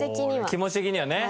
気持ち的にはね。